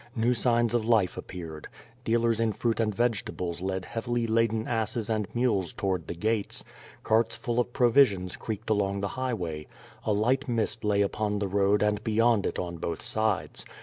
New signs of life appeared. Dealers in fruit and vegetables led heavily laden asses and mules toward the gates, carts full of provisions creaked along the highway. A light mist lay upon the road and beyond it on both sides.